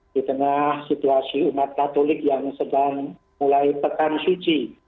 di tengah situasi umat katolik yang sedang mulai pekan suci